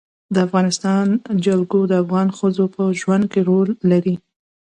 د افغانستان جلکو د افغان ښځو په ژوند کې رول لري.